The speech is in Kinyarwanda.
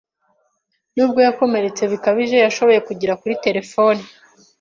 Nubwo yakomeretse bikabije, yashoboye kugera kuri terefone.